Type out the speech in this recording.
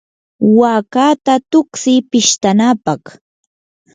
waakata tuksiy pistanapaq.